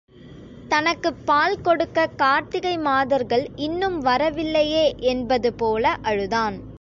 தனக்குப் பால் கொடுக்கக் கார்த்திகை மாதர்கள் இன்னும் வரவில்லையே என்பது போல அழுதான்.